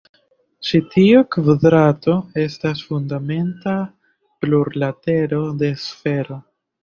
Ĉi tiu kvadrato estas fundamenta plurlatero de sfero.